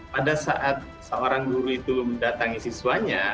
pada saat seorang guru itu mendatangi siswanya